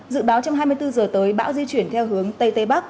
dự báo trong hai mươi bốn giờ tới bão di chuyển theo hướng tây tây bắc